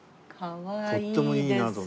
とってもいいなと。